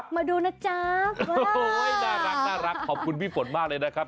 มาดูนะจ๊ะโอ้โหน่ารักขอบคุณพี่ฝนมากเลยนะครับ